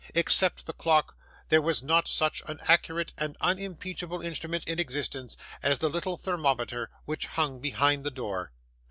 Except the clock, there was not such an accurate and unimpeachable instrument in existence as the little thermometer which hung behind the door.